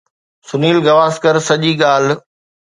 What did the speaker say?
سنيل گواسڪر سڄي ڳالهه